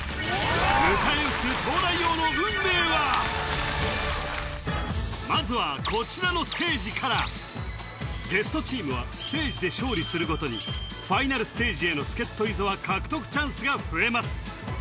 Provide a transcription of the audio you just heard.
迎え撃つまずはこちらのステージからゲストチームはステージで勝利するごとにファイナルステージへの助っ人伊沢獲得チャンスが増えます